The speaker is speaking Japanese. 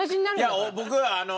いや僕はあの。